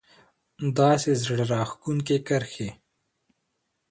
داسې زړه راښکونکې کرښې